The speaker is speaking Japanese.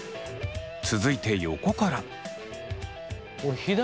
続いて横から。